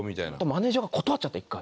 マネジャーが断っちゃって１回。